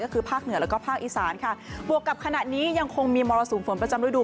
ก็คือภาคเหนือแล้วก็ภาคอีสานค่ะบวกกับขณะนี้ยังคงมีมรสุมฝนประจำฤดู